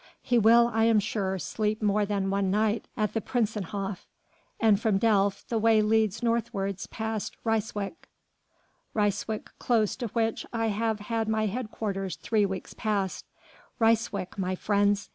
He will, I am sure, sleep more than one night at the Prinsenhof.... And from Delft the way leads northwards past Ryswyk Ryswyk close to which I have had my headquarters three weeks past Ryswyk, my friends!"